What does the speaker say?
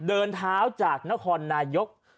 เดินเท้าจากนครนายก